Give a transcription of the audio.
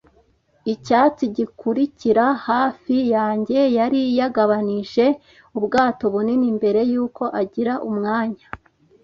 Icyatsi, gikurikira hafi yanjye, yari yagabanije ubwato bunini mbere yuko agira umwanya